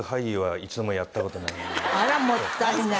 まだあらもったいない。